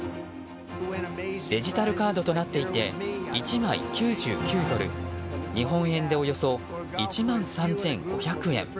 デジタルカードとなっていて１枚９９ドル、日本円でおよそ１万３５００円。